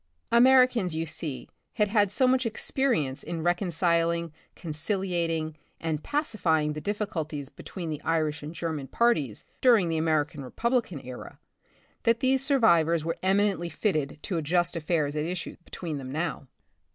Americans, you see, had had so much experience in recon ciling, conciliating and pacifying the difficulties between the Irish and German parties during the American Republican era, that these survivors were eminently fitted to adjust affairs at issue between them now.